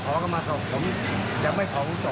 พ่อก็รับไม่ได้เหมือนกัน